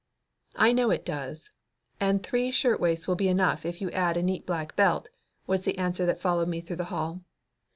"I know it does; and three shirt waists will be enough if you add a neat black belt," was the answer that followed me through the hall.